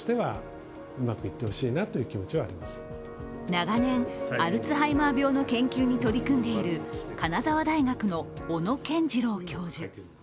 長年アルツハイマー病の研究に取り組んでいる金沢大学の小野賢二郎教授。